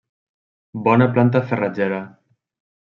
Bona planta farratgera.